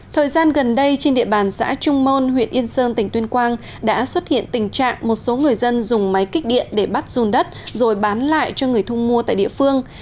thời gian gần đây trên địa bàn xã trung môn huyện yên sơn tỉnh tuyên quang đã xuất hiện tình trạng một số người dân dùng máy kích điện để bắt run đất rồi bán lại cho người thu mua tại địa phương